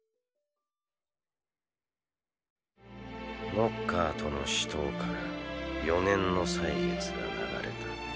ノッカーとの死闘から４年の歳月が流れた。